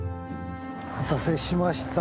お待たせしました。